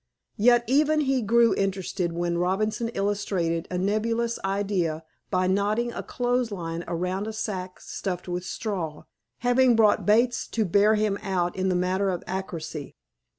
Yet, even he grew interested when Robinson illustrated a nebulous idea by knotting a clothesline around a sack stuffed with straw, having brought Bates to bear him out in the matter of accuracy.